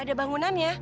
ada bangunan ya